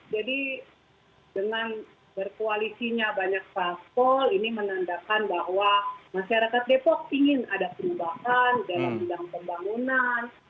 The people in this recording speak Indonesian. jadi dengan berkoalisinya banyak parpol ini menandakan bahwa masyarakat depok ingin ada penubahan